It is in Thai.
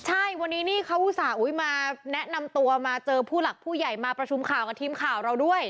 ใช่วันนี้นี่เขาอุตส่าห์มาแนะนำตัวมาเจอผู้หลักผู้ใหญ่มาประชุมข่าวกับทีมข่าวเราด้วย